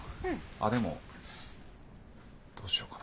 あっでもどうしようかな。